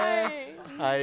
はい。